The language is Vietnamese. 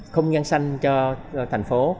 không gian xanh cho thành phố